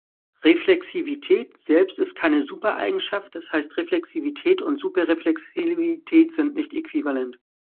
Reflexivität selbst ist keine Super-Eigenschaft, das heißt Reflexivität und Super-Reflexivität sind nicht äquivalent.